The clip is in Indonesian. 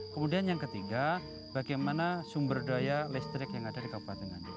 kemudian yang ketiga bagaimana sumber daya listrik yang ada di kabupaten nganjuk